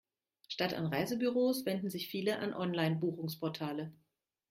Statt an Reisebüros wenden sich viele an Online-Buchungsportale.